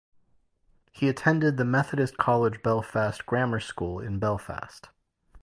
He attended the Methodist College Belfast grammar school in Belfast.